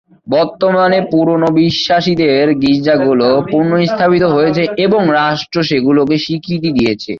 বর্তমানে, পুরনো বিশ্বাসীদের গির্জাগুলো পুনর্স্থাপিত হয়েছে এবং রাষ্ট্র সেগুলোকে স্বীকৃতি দিয়েছে।